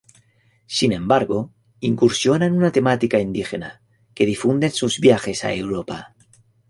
Sin embargo incursiona en una temática indígena, que difunde en sus viajes a Europa.